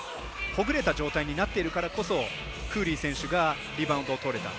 ほぐれた状態になっているからこそクーリー選手がリバウンドをとれた。